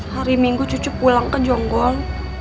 hari minggu cucu pulang ke jonggol